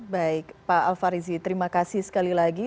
baik pak alfarizi terima kasih sekali lagi